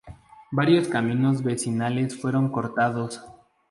Varios caminos vecinales fueron cortados.